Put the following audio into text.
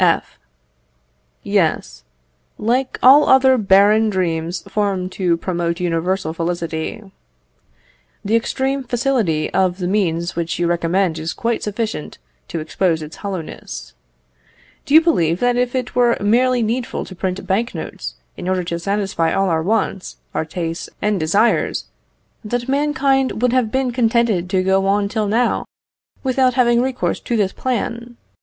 F. Yes, like all other barren dreams formed to promote universal felicity. The extreme facility of the means which you recommend is quite sufficient to expose its hollowness. Do you believe that if it were merely needful to print bank notes in order to satisfy all our wants, our tastes and desires, that mankind would have been contented to go on till now, without having recourse to this plan?